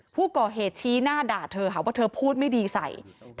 ผู้ก่อเหตุชี้หน้าด่าเธอค่ะว่าเธอพูดไม่ดีใส่